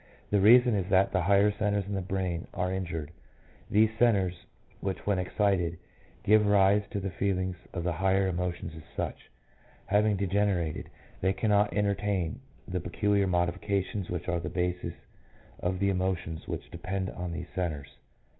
The reason is that the higher centres in the brain are injured. These centres, which when excited give rise to the feelings of the higher emotions as such, having degenerated, they cannot entertain the peculiar modifications which are the bases of the emotions which depend on these centres.